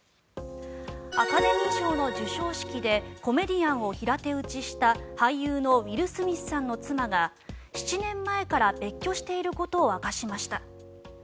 アカデミー賞の授賞式でコメディアンを平手打ちした俳優のウィル・スミスさんの妻が７年前から別居していることを明かしました。